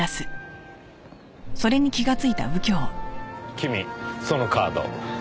君そのカード。